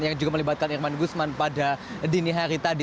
yang juga melibatkan irman gusman pada dini hari tadi